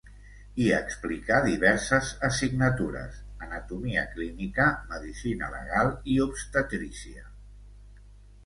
Hi explicà diverses assignatures: anatomia clínica, medicina legal i obstetrícia.